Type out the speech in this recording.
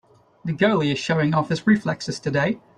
The goalie is showing off his reflexes today.